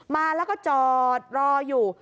มาแล้วก็จอดรออยู่